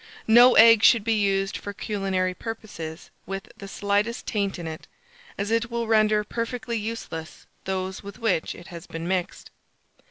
No egg should be used for culinary purposes with the slightest taint in it, as it will render perfectly useless those with which it has been mixed.